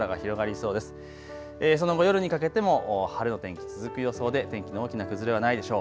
その後、夜にかけても晴れの天気続く予想で天気の大きな崩れはないでしょう。